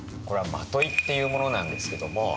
これは纏っていうものなんですけれども